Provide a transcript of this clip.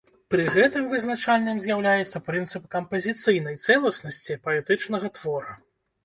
Пры гэтым вызначальным з'яўляецца прынцып кампазіцыйнай цэласнасці паэтычнага твора.